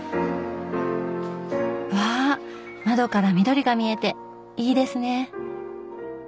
わあ窓から緑が見えていいですね！